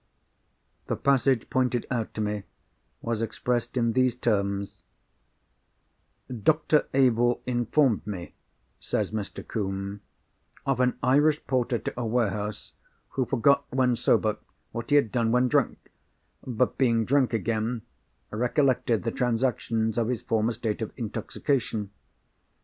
The passage pointed out to me was expressed in these terms:— "Dr. Abel informed me," says Mr. Combe, "of an Irish porter to a warehouse, who forgot, when sober, what he had done when drunk; but, being drunk, again recollected the transactions of his former state of intoxication.